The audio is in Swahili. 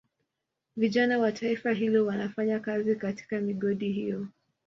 Vijana wa taifa hilo wanafanya kazi katika migodi hiyo